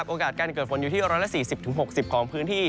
โอกาสการเกิดฝนอยู่ที่๑๔๐๖๐ของพื้นที่